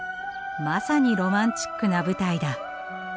まさにロマンチックな舞台だ」。